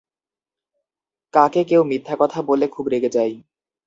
কাকে কেউ মিথ্যা কথা বললে খুব রেগে যাই?